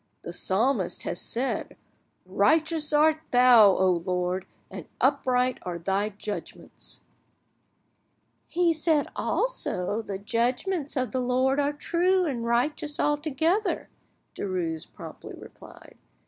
The Psalmist has said, 'Righteous art Thou, O Lord, and upright are Thy judgments.'" "He has said also, 'The judgments of the Lord are true and righteous altogether,'" Derues promptly replied.